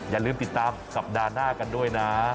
อย่าลืมติดตามสัปดาห์หน้ากันด้วยนะ